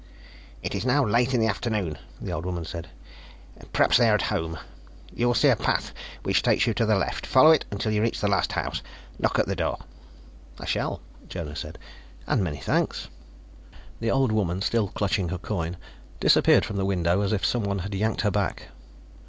"It is now late in the afternoon," the old woman said. "Perhaps they are at home. You will see a path which takes you to the left; follow it until you reach the last house. Knock at the door." "I shall," Jonas said, "and many thanks." The old woman, still clutching her coin, disappeared from the window as if someone had yanked her back.